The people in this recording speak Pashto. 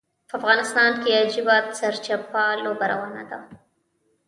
په افغانستان کې عجیبه سرچپه لوبه روانه ده.